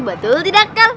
betul tidak kak